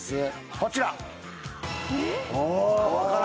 こちら。